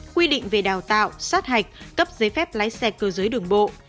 quy định về đào tạo sát hạch cấp giấy phép lái xe cơ giới đường bộ